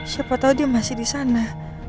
siapa tau dia masih disana